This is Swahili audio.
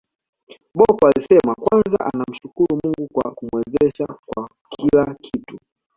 Bocco alisema kwanza anamshukuru Mungu kwa kumwezesha kwa kila kitu